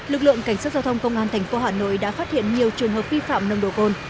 lực lượng cảnh sát giao thông công an thành phố hà nội đã phát hiện nhiều trường hợp vi phạm nồng độ cồn